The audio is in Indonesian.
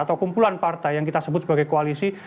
atau kumpulan partai yang kita sebut sebagai koalisi